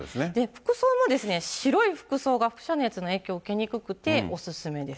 服装も白い服装が輻射熱の影響を受けにくくてお勧めです。